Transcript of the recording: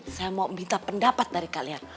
saya mau minta pendapat dari kalian